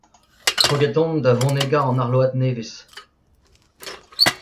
Kroget on da vonegañ an arload nevez.